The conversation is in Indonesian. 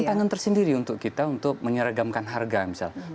ini tantangan tersendiri untuk kita untuk menyeragamkan harga misalnya